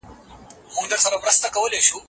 د سياست علم د بشري اړيکو پېچلتياوي په ډېر دقت څېړي.